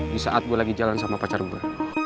di saat gue lagi jalan sama pacar gue